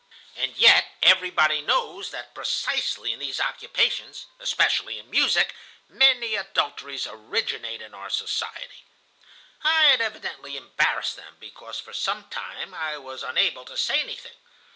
And yet, everybody knows that precisely in these occupations, especially in music, many adulteries originate in our society. "I had evidently embarrassed them, because for some time I was unable to say anything.